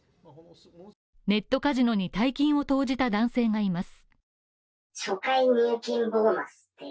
ネットカジノに大金を投じた男性がいます。